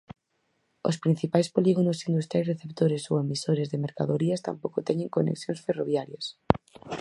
Os principais polígonos industriais receptores ou emisores de mercadorías tampouco teñen conexións ferroviarias.